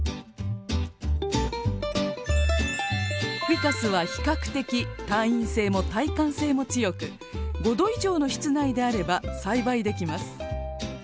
フィカスは比較的耐陰性も耐寒性も強く５℃以上の室内であれば栽培できます。